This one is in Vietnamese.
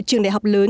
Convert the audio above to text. trường đại học lớn